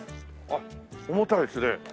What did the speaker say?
あっ重たいですね。